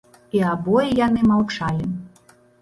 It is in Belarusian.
І абое яны маўчалі.